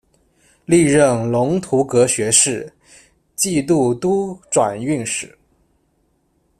历任龙图阁学士、计度都转运使。